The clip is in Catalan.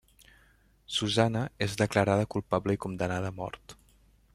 Susanna és declarada culpable i condemnada a mort.